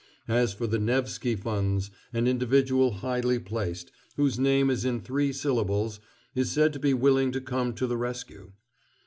As for the Nevski funds, an individual highly placed, whose name is in three syllables, is said to be willing to come to the rescue.